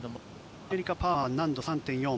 アメリカのパーマーは難度３．４。